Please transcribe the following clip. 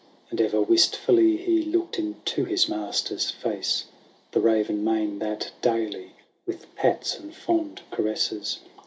And ever wistfully he looked Into his master's face. The raven mane that daily. With pats and fond caresses.